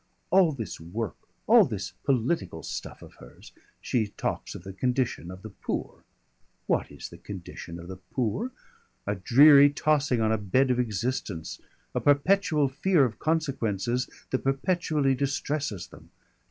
All this work, all this political stuff of hers? She talks of the condition of the poor! What is the condition of the poor? A dreary tossing on the bed of existence, a perpetual fear of consequences that perpetually distresses them.